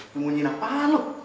sembunyiin apaan lo